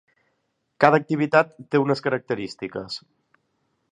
Cada activitat té unes característiques.